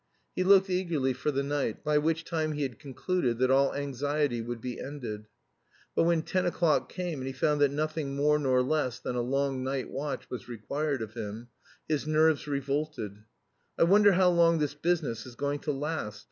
He looked eagerly for the night, by which time he had concluded that all anxiety would be ended. But when ten o'clock came and he found that nothing more nor less than a long night watch was required of him, his nerves revolted. "I wonder how long this business is going to last?